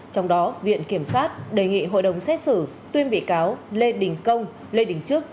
trong đó viện kiểm sát đề nghị hội đồng xét xử tuyên bị cáo lê đình công lê đình trước